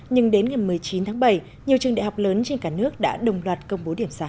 nhưng đến ngày một mươi chín tháng bảy nhiều trường đại học lớn trên cả nước đã đồng loạt công bố điểm sàn